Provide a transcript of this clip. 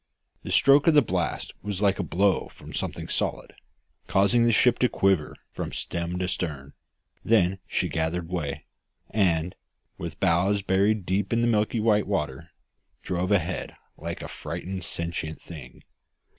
The stroke of the blast was like a blow from something solid, causing the ship to quiver from stem to stern; then she gathered way, and, with bows buried deep in the milk white water, drove ahead like a frightened sentient thing.